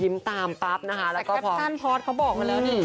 ยิ้มตามปั๊บนะฮะแล้วก็พอแคปท่านพอร์ตเขาบอกมาแล้วนี่